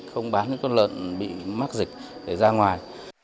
không bán những con lợn bị mắc dịch để ra ngoài